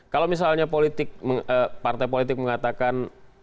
kalau misalnya partai politik mengatakan